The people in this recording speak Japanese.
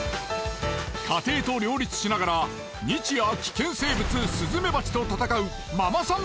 家庭と両立しながら日夜危険生物スズメバチと戦うママさん